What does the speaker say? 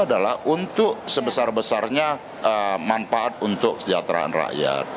adalah untuk sebesar besarnya manfaat untuk kesejahteraan rakyat